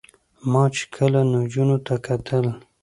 ما چې کله نجونو ته کتل